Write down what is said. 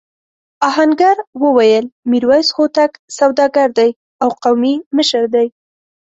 آهنګر وویل میرويس هوتک سوداګر دی او قومي مشر دی.